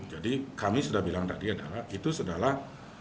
jadi kami sudah bilang tadi adalah